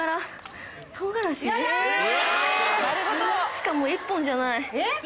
しかも１本じゃない。